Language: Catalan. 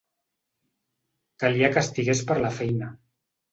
Calia que estigués per la feina.